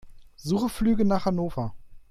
Suche Flüge nach Hannover.